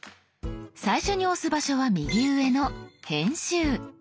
最初に押す場所は右上の「編集」。